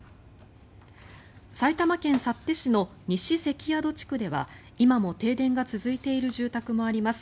埼玉県幸手市の西関宿地区では今も停電が続いている住宅もあります。